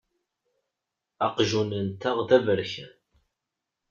Aqjun-nteɣ d aberkan.